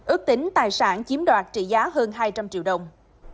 ước tính tài sản chiếm đoạt trị giá hơn hai trăm linh triệu đồng